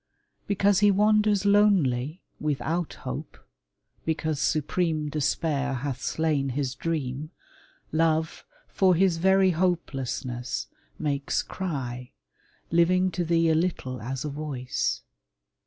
Because he wanders lonely, without hope, Because supreme despair hath slain his dream, Love, for his very hopelessness, makes cry, Living to thee a little as a voice.